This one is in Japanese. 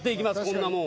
こんなもんは。